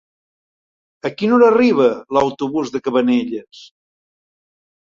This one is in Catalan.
A quina hora arriba l'autobús de Cabanelles?